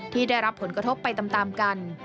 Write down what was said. ที่ได้รับผลกระทบไปตามกัน